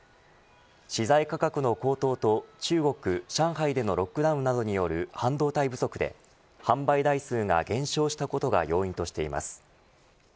資材価格の高騰と中国、上海でのロックダウンなどによる半導体不足で販売台数が減少したことが要因としています。